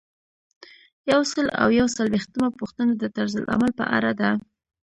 یو سل او یو څلویښتمه پوښتنه د طرزالعمل په اړه ده.